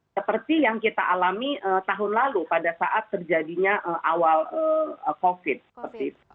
seperti yang kita alami tahun lalu pada saat terjadinya awal covid